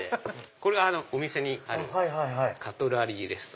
これがお店にあるカトラリーレスト。